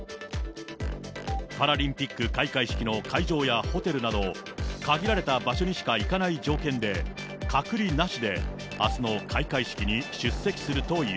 パラリンピック開会式の会場やホテルなど、限られた場所にしか行かない条件で、隔離なしで、あすの開会式に出席するという。